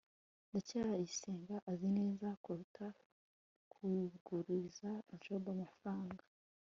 ndacyayisenga azi neza kuruta kuguriza jabo amafaranga